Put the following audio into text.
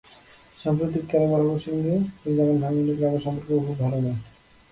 সাম্প্রতিককালে বাফুফের সঙ্গে শেখ জামাল ধানমন্ডি ক্লাবের সম্পর্কও খুব ভালো নয়।